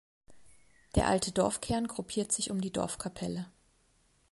Der alte Dorfkern gruppiert sich um die Dorfkapelle.